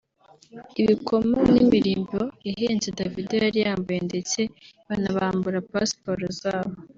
ibikomo n’imirimbo ihenze Davido yari yambaye ndetse banabambura pasiporo zabo